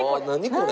これ。